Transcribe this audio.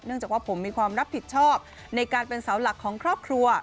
จากว่าผมมีความรับผิดชอบในการเป็นเสาหลักของครอบครัว